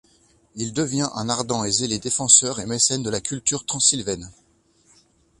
Il devient un ardent et zélé défenseur et mécène de la culture transylvaine.